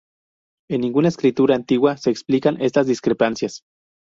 En ninguna escritura antigua se explican estas discrepancias.